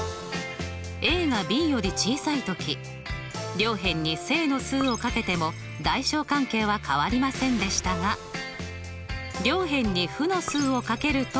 がｂより小さい時両辺に正の数を掛けても大小関係は変わりませんでしたが両辺に負の数を掛けると。